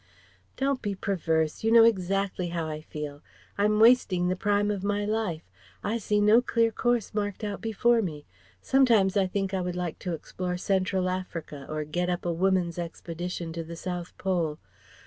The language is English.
"Don't be perverse. You know exactly how I feel. I'm wasting the prime of my life. I see no clear course marked out before me. Sometimes I think I would like to explore Central Africa or get up a Woman's Expedition to the South Pole.